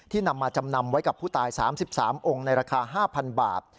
นำมาจำนำไว้กับผู้ตาย๓๓องค์ในราคา๕๐๐บาท